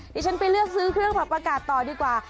ดิฉันไปเลือกซื้อเครื่องผักอากาศต่อดีกว่า